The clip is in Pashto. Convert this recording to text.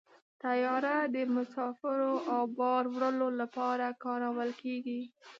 طیاره د مسافرو او بار وړلو لپاره کارول کېږي.